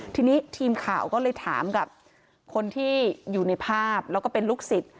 ทีนี้ทีมข่าวก็เลยถามกับคนที่อยู่ในภาพแล้วก็เป็นลูกศิษย์